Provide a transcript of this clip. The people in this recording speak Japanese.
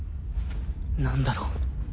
何だろう？